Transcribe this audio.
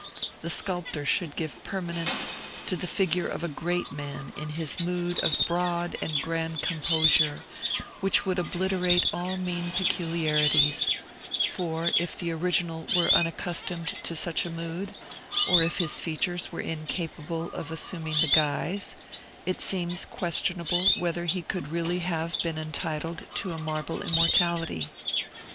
The sculptor should give permanence to the figure of a great man in his mood of broad and grand composure, which would obliterate all mean peculiarities; for, if the original were unaccustomed to such a mood, or if his features were incapable of assuming the guise, it seems questionable whether he could really have been entitled to a marble immortality.